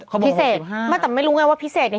ใช่แต่ว่าผมมาต้องเปลี่ยนเป็นตรงนี้